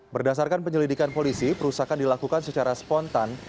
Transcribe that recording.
berdasarkan penyelidikan polisi perusakan dilakukan secara spontan